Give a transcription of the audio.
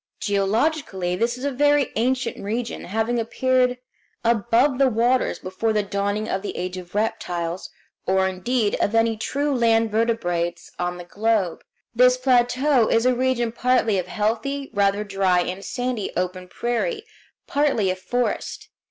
Geologically this is a very ancient region, having appeared above the waters before the dawning of the age of reptiles, or, indeed, of any true land vertebrates on the globe. This plateau is a region partly of healthy, rather dry and sandy, open prairie, partly of forest.